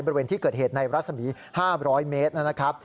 บริเวณที่เกิดเหตุในรัศนีร์๕๐๐เมตร